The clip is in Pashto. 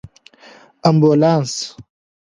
🚑 امبولانس